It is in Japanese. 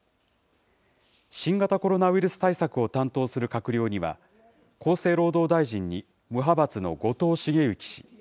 新型コロナウイルス対策を担当する閣僚には、厚生労働大臣に無派閥の後藤茂之氏。